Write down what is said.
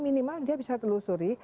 minimal dia bisa telusuri